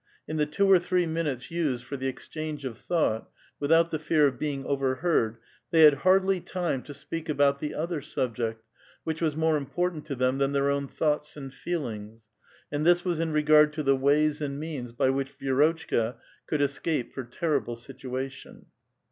In the two or three minutes used for the exchange of thought, without the fear of being over heard, they had hardly time to speak about the other subject, which was more important to them than their own thoughts and feelings ; and this was in regard to the ways and means by which Vi^rotchka could escape her terrible situation.